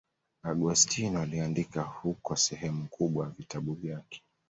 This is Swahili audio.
Agostino aliandika huko sehemu kubwa ya vitabu vyake.